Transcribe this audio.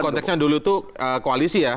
itu konteksnya dulu tuh koalisi ya